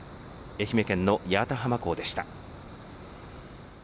愛媛県の八幡浜港でした。